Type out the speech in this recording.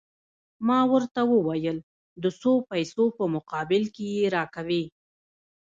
ما ورته وویل: د څو پیسو په مقابل کې يې راکوې؟